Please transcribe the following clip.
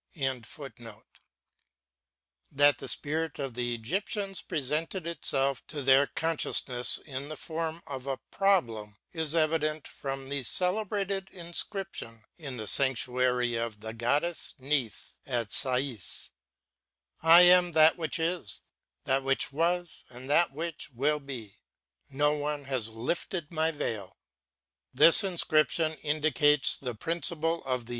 ] THAT the Spirit of the Egyptians presented itself to their con sciousness in the form of a problem^ is evident from the celebrated inscription in the sanctuary of the Goddess Neith at Sais: */ am that which is^ that which wctSy and that which will be : no one has lifted my veil.^ This inscription indicates the principle of the.